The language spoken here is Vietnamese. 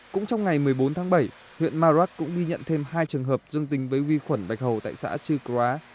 cũng trong ngày một mươi bốn tháng bảy huyện maroc cũng ghi nhận thêm hai trường hợp dương tính với vi khuẩn bạch hầu tại xã chư cô á